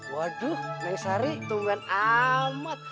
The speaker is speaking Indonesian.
waduh neng sari tumbuhan amat